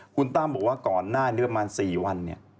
คุณต้ามบอกว่าก่อนหน้าเนื้อประมาณ๔วัน